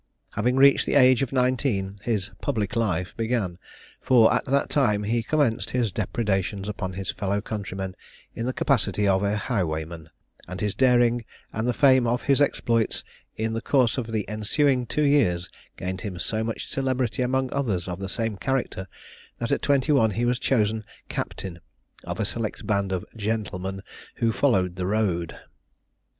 Having reached the age of nineteen his "public life" began, for at that time he commenced his depredations upon his fellow countrymen in the capacity of a highwayman, and his daring, and the fame of his exploits, in the course of the ensuing two years gained him so much celebrity among others of the same character, that at twenty one he was chosen "captain" of a select band of "gentlemen" who "followed the road."